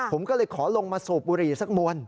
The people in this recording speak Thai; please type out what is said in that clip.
ผมก็เลยขอลงมาสูบบุหรี่สักมวล